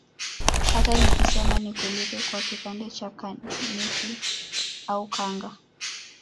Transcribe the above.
Hata nikisema nikulipe kwa kipande cha kaniki au kanga